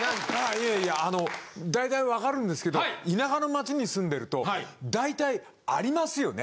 いやいや大体わかるんですけど田舎の町に住んでると大体ありますよね。